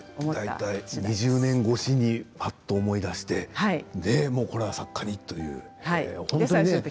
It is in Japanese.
大体２０年越しにバッと思い出してでもうこれは作家にという。